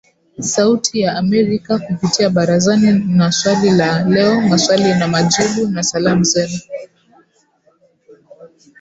Sauti ya Amerika kupitia Barazani na Swali la Leo Maswali na Majibu, na Salamu Zenu